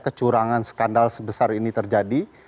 kecurangan skandal sebesar ini terjadi